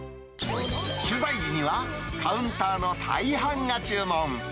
取材時にはカウンターの大半が注文。